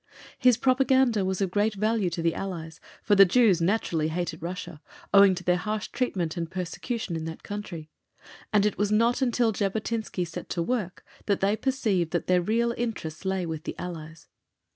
His propaganda was of great value to the Allies, for the Jews naturally hated Russia, owing to their harsh treatment and persecution in that country, and it was not until Jabotinsky set to work that they perceived that their real interests lay with the Allies.